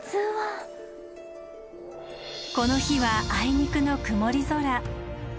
この日はあいにくの曇り空。